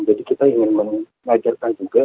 jadi kita ingin mengajarkan juga